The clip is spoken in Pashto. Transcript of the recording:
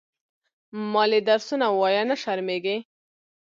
مالې درسونه ووايه نه شرمېږې.